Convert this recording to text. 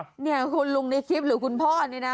เนี่ยคุณลุงในคลิปหรือคุณพ่อนี่นะ